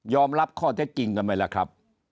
รับข้อเท็จจริงกันไหมล่ะครับ